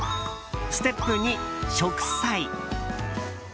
ステップ２、植栽。